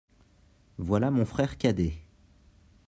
Voilà mon frère cadet.